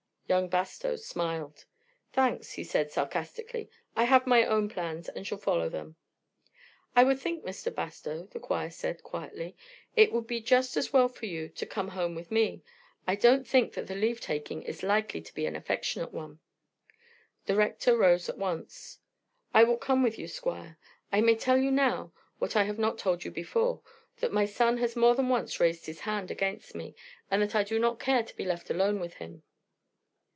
Young Bastow smiled. "Thanks," he said sarcastically. "I have my own plans, and shall follow them." "I would think, Mr. Bastow," the Squire said quietly, "it would just be as well for you to come home with me. I don't think that the leave taking is likely to be an affectionate one." The Rector rose at once. "I will come with you, Squire. I may tell you now, what I have not told you before, that my son has more than once raised his hand against me, and that I do not care to be left alone with him."